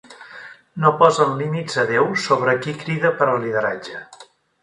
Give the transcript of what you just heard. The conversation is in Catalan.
No posen límits a Déu sobre qui crida per al lideratge.